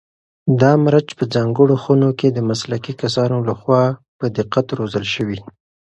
دا مرچ په ځانګړو خونو کې د مسلکي کسانو لخوا په دقت روزل شوي.